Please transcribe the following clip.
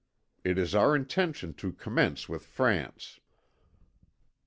It is our intention to commence with France."